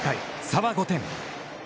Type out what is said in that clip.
差は５点。